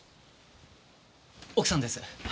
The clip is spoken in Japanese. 奥さんです。